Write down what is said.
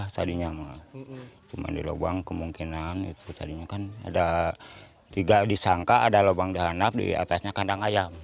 tadinya mah cuma di lubang kemungkinan itu tadinya kan ada tiga disangka ada lubang dihanap di atasnya kandang ayam